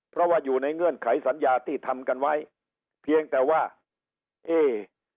เพราะว่าอยู่ในเงื่อนไขสัญญาที่ทำกันไว้เพียงแต่ว่าเอ๊